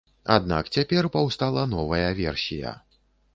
Аднак цяпер паўстала новая версія.